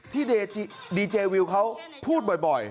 ที่ดีเจวิวเขาพูดบ่อย